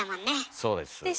そうです。